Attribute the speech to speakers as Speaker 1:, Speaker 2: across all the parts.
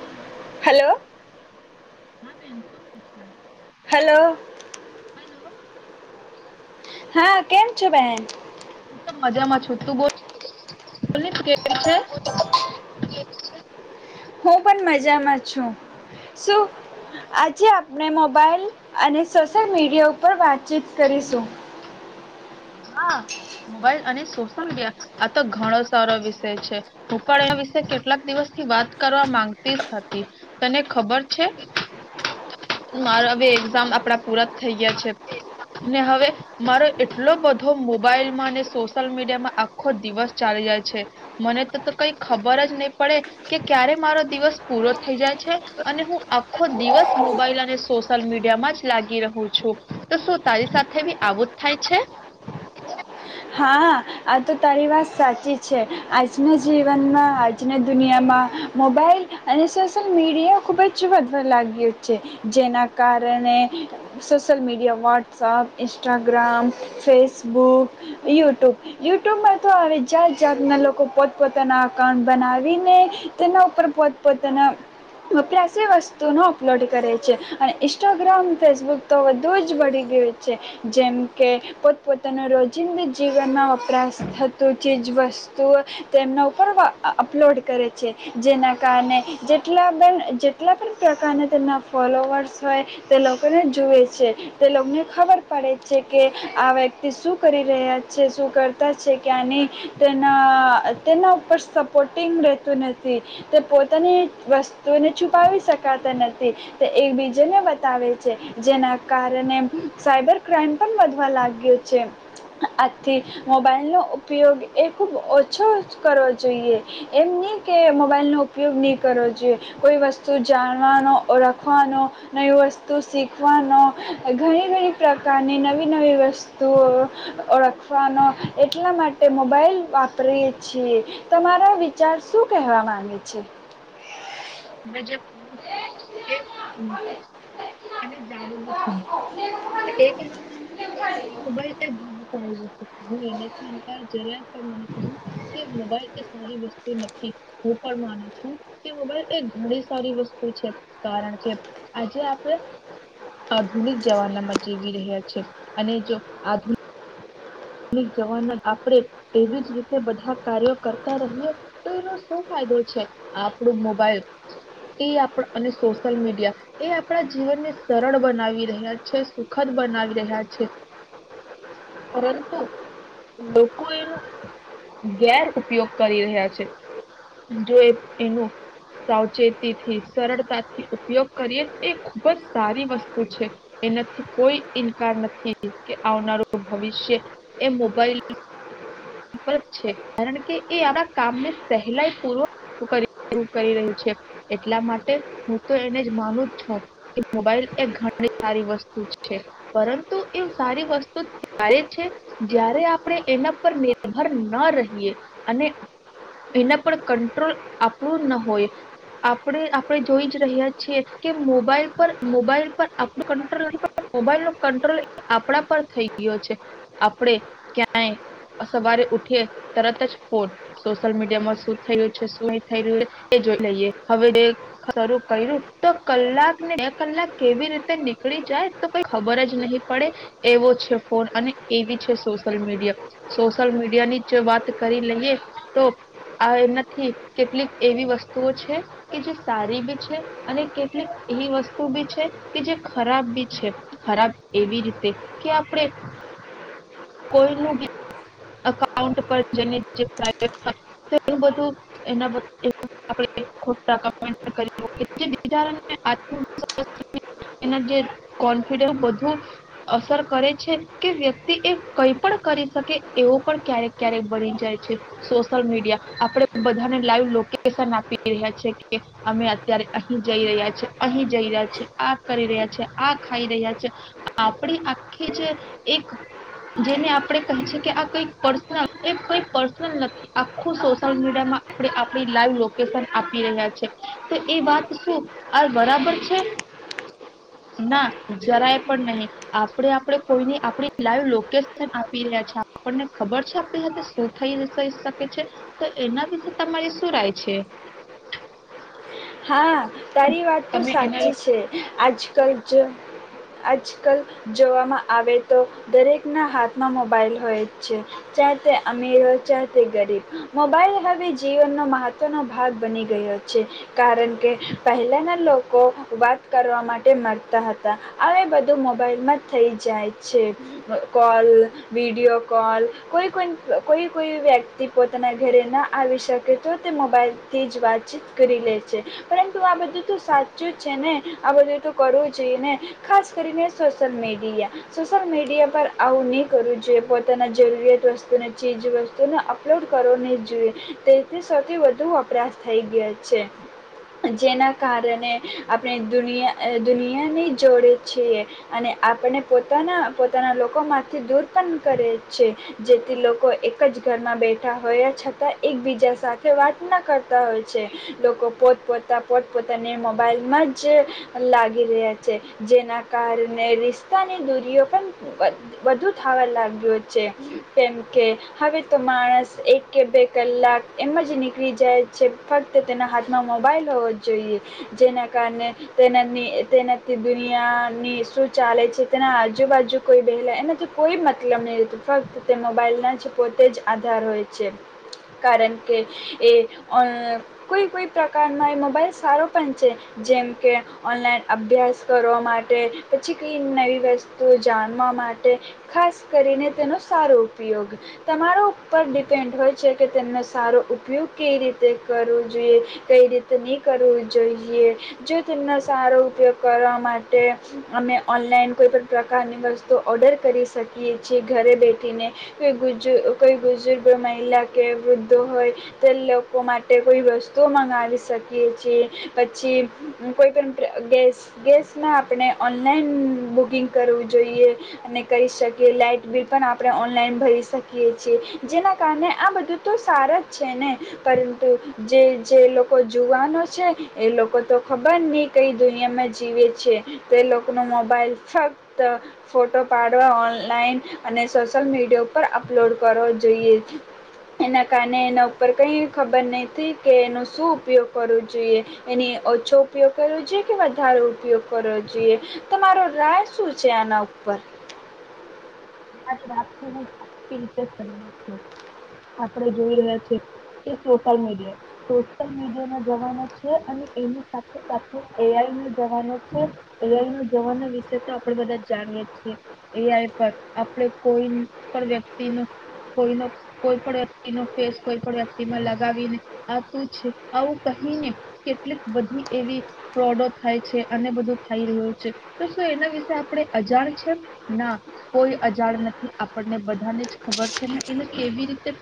Speaker 1: Hello
Speaker 2: hello.
Speaker 1: હા બેન, શું [unintelligible] [unintelligible]
Speaker 2: હેલો.
Speaker 1: હલો.
Speaker 2: હા. કેમ છો બેહેન?
Speaker 1: હું તો મજામાં છું, તું બોલ? લેને તું કેવી છે?
Speaker 2: હું પણ મજામાં છું. શું આજે આપણે મોબાઈલ અને સોશિયલ મીડિયા ઉપર વાતચીત કરીશું.
Speaker 1: હા. મોબાઈલ અને સોશિલ મીડિયા. આ તો ઘણો સારો વિષય છે હું પણ એ વિશે કેટલાક દિવસ થી વાત કરવા માંગતી જ હતી, તને ખબર છે. મારા હવે એક્ઝામ આપડા પૂરા થઈ ગયા છે, ને હવે મારો એટલો બધ ધો મોબાઈલમાં અને સોશલ મીડિયામાં આખો દિવસ ચાલી જાય છે. મને તો તો કઈ ખબર જ નહી પડે કે ક્યારે મારો દિવસ પૂરો થઈ જાય છે અને હું ધો આખો મોબાઈલ અને સોશિલ મીડિયામાં જ લાગી રહું છું. તો શું તારી સાથે બી આવું જ થાય છે?
Speaker 2: હા. આ તો તારી વાત સાચી છે. આજના જીવનમાં આજના દુનિયામાં મોબાઈલ અને સોશિલ મીડિયા ખૂબ જ વધવા લાગ્યો છે, જેના કારણે social media WhatsApp, Instagram, Facebook YouTube, યુટ્યુબમાં તો હવે જાત જાતના લોકો પોતપોતાના અકાઉન્ટ બનાવીને તેના ઉપર પોતપોતાના પ્ર્યાસ વસ્તુનો અપલોડ કરે છે અને ઇન્સ્ટાગ્રામ ફેસબુક તો વધુ જ વળી ગયું છે, જેમ કે પોતપોતાનું રોજિંદ જીવનમાં વપરાશ થતું ચીજવસ્તુઓ, તેમના ઉપર અપલોડ કરે છે. જેના કારણે જેટલા પણ જેટલા પણ પ્રકારના તેમના ફોલોવર્સ હોય તે લોકોને જુએ છે, તે લોકોને ખબર પડે છે કે આ વ્યક્તિ શું કરી રહ્યા છે શું કરતા છે ક્યાં નહીં તેના તેના ઉપર સપોર્ટંગ રહેતું નથી, તે પોતાની વસ્તુને છુપાવી શકાતા નથી તે એકબીજાને બતાવે છે જેના કારણે સાયબર ક્રાઈમ પણ વધવા લાગ્યો છે. આ થી મોબાઈલનો ઉપયોગ એ ખૂબ ઓછો કરવો જોઈએ, એમ નહીં કે મોબાઈલનો ઉપયોગ નહીં કરવો જોઈએ કોઈ વસ્તુ જાણવાનો ઓળખવાનો નવી વસ્તુ શીખવાનો ઘણી ઘણી પ્રકારની નવી નવી વસ્તુઓ ઓળખ વાનો એટલા માટે મોબાઈલ વાપરીએ છીએ. તમારા વિચાર શું કહેવા માંગે છે?
Speaker 1: તમે જો કહી છો એ હું સમજી છું અને જાણું ભી છું. એ કહેવા માંગે છે કે મોબાઈલ હું એના થી જરાએ પણને કહું કે મોબાઈલ એ સારી વસ્તુ નથી. હું પણ માનું છો કે મોબાઇલ એ ઘણી સારી વસ્તુ છે. કારણ કે આજે આપણે આધુનિક જવાના માં જીવી રહ્યા છીએ અને જો આધુ નિક જવાના આપણેે એવી જ રીતે બધા કાર્યો કરતા રહીએ, તો એનો શું ફાયદો છે? આપણું મોબાઈલ એ આપ અને સોશિયલ મીડિયા એ આપણા જીવનને સરળ બનાવી રહ્યા છે, સુખદ બનાવી રહ્યા છે. પરં તું લોકો એનું ગેર ઉપયોગ કરી રહ્યા છે. જો એ એનું સાવચેતીથી સરળતાથી ઉપયોગ કરીએ તો એ ખૂબ જ સારી વસ્તુ છે. એનાથી કોઈ ઇન્કાર નથી કે આવનારું ભવિષ્ય એ મોબાઈલ પર છે. કારણ કે એ આપ કામને પહેલાય પૂ કરી રહ્યું છે એટલા માટે હું તો એને જ માનું જ છું કે મોબાઈલ એ ઘણી સારી વસ્તુ છે. પરંતુ એ સારી વસ્તુ ત્યારે છે જ્યારે આપણે એના પર મે ભર ના રહીએ અને એના પર કંટ્રોલ આપણું ના હોય. આપણે આપણે જોઈ જ રહ્યા છીએ કે મોબાઈલ પર મોબાઈલ પર આપણું કંટ્રોલ મોબાઈલ નો કંટ્રોલ આપણા પર થઈ ગયો છે. આપણે ક્યાંય સવારે ઉઠીએ તરત જ ફોન સોશિયલ મીડિયામાં શું થયું છે શું નહી થઈ રહ્યું છે એ જોઈ લઈએ હવે ડે શરૂ કર્યું તો કલાકને બે કલાક કેવી રીતે નીકળી જાય તો કઈ ખબર જ નહીં પડે એવો છે ફોન અને એવી છે સોશિલ મીડિયા સોશિયલ મીડિયા ની જો વાત કરી લઈએ તો આ એનાથી કેટલીક એવી વસ્તુઓ છે કે જે સારી બી છે અને કેટલીક એવી વસ્તુ બી છે કે જે ખરાબ બી છે. ખરાબ એવી રીતે કે આપણે કોઈ નું બી એકાઉન્ટ પર જેને જે [inaudible] કોફિડસ બું અસર કરે છે કે વ્યક્તિ એ કઈ પણ કરી શકે એવો પણ ક્યારેક ક્યારેક બની જાય છે સોશિલ મીડિયા આપણે બધાને લાઈવ લોકેશન આપી રહ્યા છે કે અમે અત્યારે અહી જઈ રહ્યા છીએ અહી જઈ રહ્યા છેએ આ કરી રહ્યા છે આ ખાઈ રહ્યા છે આપડી આખી જે એક જેને આપણે કહી છે કે આ કઈ પર્સનલ એ કઈ પર્સનલ નથી આખું સોશિયલ મીડિયામાં આપણે આપણી લાઈવ લોકેશન આપી રહ્યા છે. તો એ વાત શું આ બરાબર છે? ના જરાય પણ નહી આપણે આપણે કોઈની આપણી લાઈવ લોકેશન આપી રહ્યા છે આપણને ખબર છે આપણી સાથે શું થઈ શકે છે તો એના વિશે તમારી શું રાય છે?
Speaker 2: હા, તારી વાત તો
Speaker 1: તમે એના
Speaker 2: સાચી
Speaker 1: વિશે
Speaker 2: છે. આજકાલ જો આજકાલ જોવામાં આવે તો દરેકના હાથમાં મોબાઈલ હોય જ છે. ચાહે તે અમીર હોય ચાહે તે ગરીબ મોબાઈલ હવે જીવનનો મહત્ત્વનો ભાગ બની ગયો છે. કારણ કે પહેલાંના લોકો વાત કરવા માટે મરતા હતા હવે બધું મોબાઈલમાં થઈ જાય છે. અહ કોલ વિડીયો કોલ કોઈ કોઈ કોઈ કોઈ વ્યક્તિ પોતાના ઘરે ન આવી શકે તો તે મોબાઈલથી જ વાતચીત કરી લે છે. પરંતુ આ બધું તો સાચું છે ને. આ બધું તો કરવું જોઈએ ને ખાસ કરીને સોશિલ મીડિયા. સોશલ મીડિયા પર આવું નહી કરવું જોઈએ પોતાના જરૂરિયાત વસ્તુ ચીજ વસ્તુ અપલોડ કરવો નહી જોઈએ. તેથી સૌથી વધુ વપરાશ થઈ ગયા છે. જેના કારણે આપણે દુનિયા અહ દુનિયાનની જોડે છીએ અને આપણે પોતાના પોતાના લોકોમાંથી દૂર પણ કરે છે. જેથી લોકો એક જ ઘરમાં બેઠા હોય છતાં એકબીજા સાથે વાત ના કરતા હોય છે લોકો પોત પોતા પોતપોતાને મોબાઈલમાં જ લાગી રહ્યા છે. જેના કારણે રિસ્તાની દૂરીઓ પણ વ-વધુ થવા લાગ્યો છે કેમ કે હવે તો માણસ એક કે બે કલાક એમ જ નીકળી જાય છે ફક્ત તેના હાથમાં મોબાઈલ હોવો જોઈએ. જેના કારણે તેનાની તેનાથી દુનિયાની શું ચાલે છે તેના આજુબાજુ કોઈ વહેલા એનાથી કોઈ મતલબ નહીં રહેતો ફક્ત તે મોબાઈલના છે પોતે જ આધાર હોય છે. કારણ કે એ ઓનલ કોઈ કોઈ પ્રકારનો એ મોબાઈલ સારો પણ છે જેમ કે ઓનલાઈન અભ્યાસ કરવા માટે પછી કઈ નવી વસ્તુ જાણવા માટે ખાસ કરીને તેનો સારો ઉપયોગ. તમારા ઉપર ડિપેન્ડ હોય છે કે તેમનો સારો ઉપયોગ કેવી રીતે કરવો જોઈએ. કઈ રીતે નહીં કરવું જોઈએ જો તેમનો સારો ઉપયોગ કરવા માટે અમે ઓનલાઈન કોઈપણ પ્રકારની વસ્તુ ઓર્ડર કરી શકીએ છીએ ઘરે બેઠીને કોઈ ગુજ કોઈ બુઝુર્ગ મહિલા કે વૃદ્ધો હોય તે લોકો માટે કોઈ વસ્તુઓ મંગ ગાવી શકીએ છે પછી કોઈ પણ ગ ગેસમાં આપણે ઓનલાઈન બુકિંગ કરવું જોઈએ અને કરી શકીએ લાઈટ બિલ પણ આપણે ઓનલાઈન ભરી શકીએ છી જેના કારણે આ બધું તો સારા જ છે ને પરંતુ જે જે લોક કો જુવાનો છે એ લોકો તો ખબર નહી કઈ દુનિયામાં જીવે છે તો એ લોકો ન મોબાઈલ ફક્ત ફોટો પાડવા ઓનલાઈન અને સોશયલ મીડિયા ઉપર અપલોડ કરો જોઈએ. એના કારણે એના ઉપર કંઈ ખબર નથી કે એનનો શું ઉપયોગ કરવો જોઈએ એની ઓછો ઉપયોગ કરવો જોઈએ કે વધારો ઉપયોગ કરવો જોઈએ તમારો રાય શું છે આના ઉપર?
Speaker 1: તમારી વાત થી હું આખી રીતે સહેમત છું. આપડે જોઈ રહ્યા છએ એ સોશલ મીડિયા સોશિલ મીડિયા ના જવાનો છે અને એની સાથે સાથે એ આઈ નો જવાનો છે. એ આઈ નો જવાનો વિશે તો આપડે બધા જાણીએ છીએ એ આઈ પર આપણે કોઈ પણ વ્યક્તિનો કોઈનો કોઈ પણ વ્યક્તિનો ફેસ કોઈ પણ વ્યક્તિમાં લગાવીને આ તું છે, આવું કહીને કેટલીક બધી એવી ફ્રોડો થાય છે, અને બધું થઈ રહ્યું છે. તો શું એના વિશે આપણે અજાણ છે? ના કોઈ અજાણ નથી. આપણને બધાને જ ખબર છે ને. એને કેવી રીતે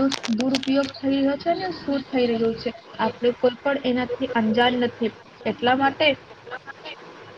Speaker 1: દુર દુરુપયોગ થઈ રહ્યો છે ને આ શું થઈ રહ્યું છે, આપણે કોઈ પણ એનાથી અંજાન નથી, એટલા માટે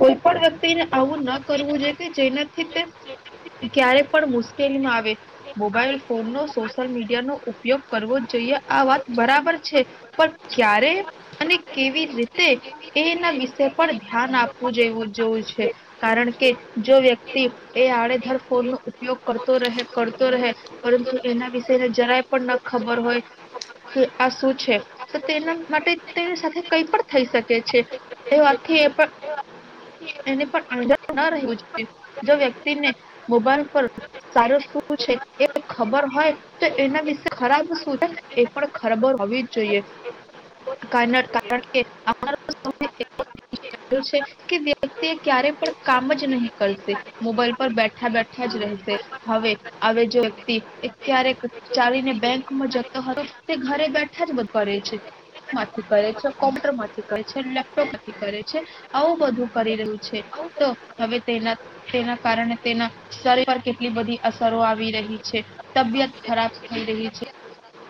Speaker 1: કોઈ પણ વ્યક્તિને આવું ન કરવું જોઈએ કે જેનાથી તે ક્યારે પણ મુશ્કેલીમાં આવે. મોબાઈલ ફોનનો, સોશલ મીડિયાનો ઉપયોગ કરવો જ જોઈએ, આ વાત બરાબર છે, પણ ક્યારે? અને કેવી રીતે? એ એના વિશે પણ ધ્યાન આપવું જેવું જવું છે, કારણ કે જો વ્યક્તિ એ [unintelligible] ફોન નો ઉપયોગ કરતો રહે કરતો રહે, પરંતુ એના વિષને જરાય પણ ન ખબર હોય, કે આ શું છે તો તેના માટે તેની સાથે કઈ પણ થઈ શકે છે, એ વાતથી એ પણ વ જોઈએ જો વ્યક્તિને મોબાઈલ પર સારું શું છે એ ખબર હોય તો એના વિશે ખરાબ શું છે, એ પણ ખરાબર હોવી જ જોઈએ, કારણ કે [unintelligible] વ ક્યારે પણ કામ જ નહીં કરશે, મોબાઈલ પર બેઠા બેઠા જ રહેશે, હવે હ જે વ્યક્તિ એ ક્યારેક ચાલીને બેંકમાં જતો હતો તે ઘરે બેઠા જ બ કરે છે, ફ માંથી કરે છે કોમ્પ્યુટર માંથી કરે છે લેપટોપમાંથી કરે છે, આવું બધું કરી રહ્યું છે, તો હવે તેના તેના કારણે તેના શરીર પર કેટલી બધી અસરો આવી રહી છે, તબિયત ખરાબ થઈ રહી છે.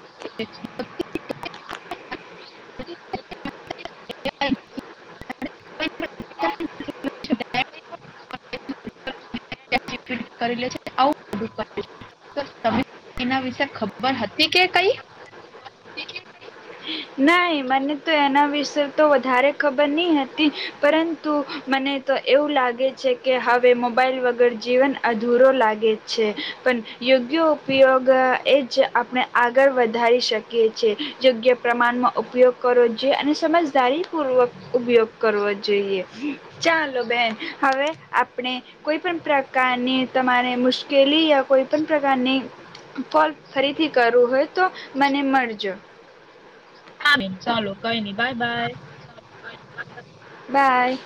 Speaker 1: [unintelligible] [unintelligible] કરીે આવ ત [unintelligible] એના વિશે ખબર હતી કે કઈ?
Speaker 2: નહી મને તો એના વિશે તો વધારે ખબર નહી હતી, પરંતુ મને તો એવું લાગે છે કે હવે મોબાઈલ વગર જીવન અધૂરો લાગે છે, પણ યોગ્ય ઉપયોગ એ જ આપણે આગળ વધારી શકીએ છેએ, યોગ્ય પ્રમાણમાં ઉપયોગ કરવો જોઈએ અને સમજદારી પૂર્વક ઉપયોગ કરવો જોઈએ, ચાલો બેન હવે આપણે કોઈ પણ પ્રકારની તમારે મુશ્કેલી યા કોઈ પણ પ્રકારની ફોલ ફરીથી કરવું હોય તો મને મળજો.
Speaker 1: હા ચાલો કઈ નહી બાય બાય.
Speaker 2: બાય.